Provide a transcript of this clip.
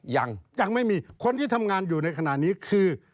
ยังไม่มีคนที่ทำงานอยู่ในขณะนี้คือ